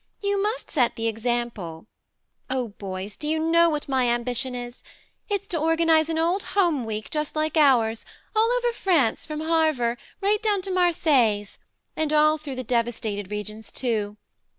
You must set the example. ... Oh, boys, do you know what my ambition is ? It's to organize an Old Home Week just like THE MARNE 67 ours, all over France from Harver right down to Marseilles and all through the devastated regions too.